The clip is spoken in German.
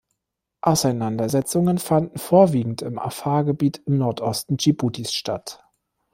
Auseinandersetzungen fanden vorwiegend im Afar-Gebiet im Nordosten Dschibutis statt.